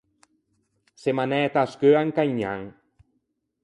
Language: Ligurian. Semmo anæte à scheua in Caignan.